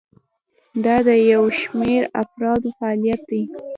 دا د یو شمیر افرادو فعالیت دی.